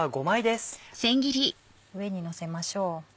上にのせましょう。